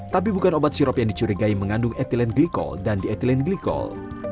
tapi bukan obat sirup yang dicurigai mengandung etilen glikol dan dietilen glikol